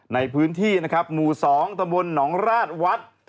ในพื้นที่นะครับหมู่๒ตะบนหนองราชวัด